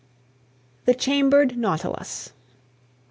THE CHAMBERED NAUTILUS.